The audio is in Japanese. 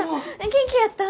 元気やった？